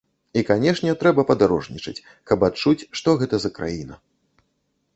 І, канечне, трэба падарожнічаць, каб адчуць, што гэта за краіна.